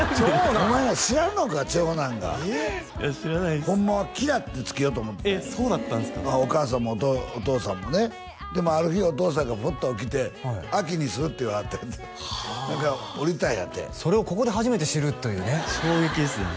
お前は知らんのか長男がホンマは「きら」ってつけようと思ってたんやそうだったんですかお母さんもお父さんもねでもある日お父さんがフッと起きて「あきにする！」って言わはったっておりたんやてそれをここで初めて知るというね衝撃ですね